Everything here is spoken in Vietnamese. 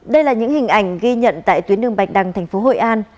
đây là những hình ảnh ghi nhận tại tuyến đường bạch đăng thành phố hội an